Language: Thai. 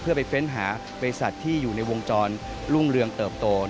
เพื่อไปเซ็นทร์หาเบสัตว์ที่อยู่ในวงจรลุงเรืองเติบโต